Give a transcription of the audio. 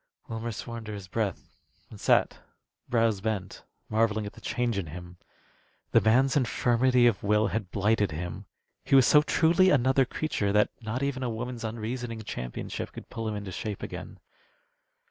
Wilmer swore under his breath, and sat, brows bent, marvelling at the change in him. The man's infirmity of will had blighted him. He was so truly another creature that not even a woman's unreasoning championship could pull him into shape again.